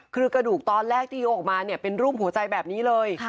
คือกระดูกตอนแรกที่ยกออกมาเนี่ยเป็นรูปหัวใจแบบนี้เลย